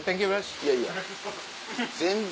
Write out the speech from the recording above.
いやいや全然。